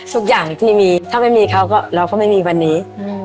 ทุกอย่างที่มีถ้าไม่มีเขาก็เราก็ไม่มีวันนี้